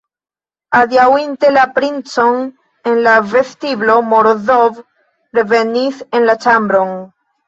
Adiaŭinte la princon en la vestiblo, Morozov revenis en la ĉambron.